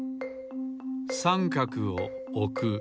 さんかくをおく。